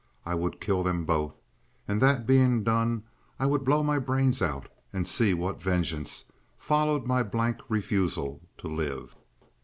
I would kill them both. And that being done I would blow my brains out and see what vengeance followed my blank refusal to live.